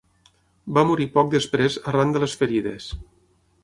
Va morir poc després arran de les ferides.